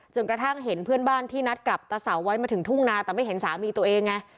กระทั่งเห็นเพื่อนบ้านที่นัดกับตาเสาไว้มาถึงทุ่งนาแต่ไม่เห็นสามีตัวเองไง